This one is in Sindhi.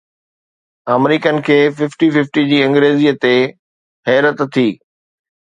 آمريڪين کي ففٽي ففٽي جي انگريزيءَ تي حيرت ٿي